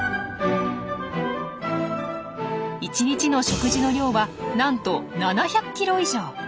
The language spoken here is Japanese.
１日の食事の量はなんと７００ｋｇ以上。